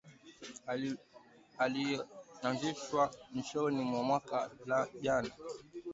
Iliyoanzishwa mwishoni mwa mwaka jana dhidi ya waasi wa kiislam mashariki mwa Kongo msemaji wa operesheni hiyo alisema.